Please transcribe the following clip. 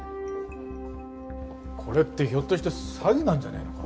これってひょっとして詐欺なんじゃないのか？